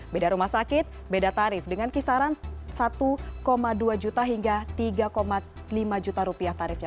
beda rumah sakit beda tarif dengan kisaran rp satu dua ratus hingga rp tiga lima ratus tarifnya